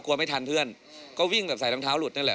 ไม่ทันเพื่อนก็วิ่งแบบใส่รองเท้าหลุดนั่นแหละ